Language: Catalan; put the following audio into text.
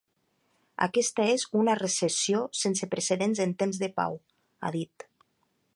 Aquesta és una recessió sense precedents en temps de pau, ha dit.